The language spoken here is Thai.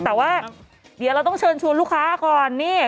แต่ว่าเดี๋ยวเราต้องเชิญชวนลูกค้าก่อนนี่